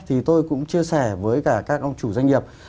thì tôi cũng chia sẻ với cả các ông chủ doanh nghiệp